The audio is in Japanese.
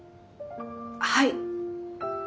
はい。